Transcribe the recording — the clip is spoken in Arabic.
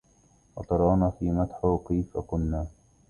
وترانا في مدحهِ كيف كنّا